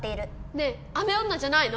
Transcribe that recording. ねえ雨女じゃないの？